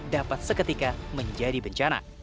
dapat seketika menjadi bencana